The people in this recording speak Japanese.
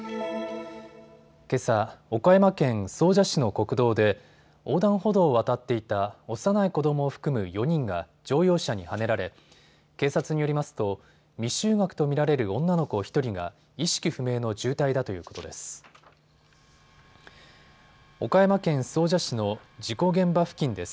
けさ、岡山県総社市の国道で横断歩道を渡っていた幼い子どもを含む４人が乗用車にはねられ、警察によりますと未就学と見られる女の子１人が意識不明の重体だということです。